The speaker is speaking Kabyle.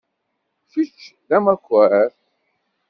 Kečč d amakar.